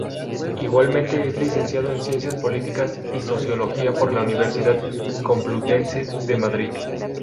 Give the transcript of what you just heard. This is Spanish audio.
Igualmente, es licenciado en Ciencias políticas y Sociología por la Universidad Complutense de Madrid.